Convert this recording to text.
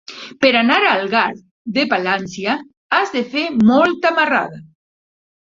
Per anar a Algar de Palància has de fer molta marrada.